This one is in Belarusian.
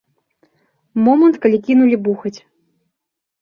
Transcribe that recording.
Момант, калі кінулі бухаць.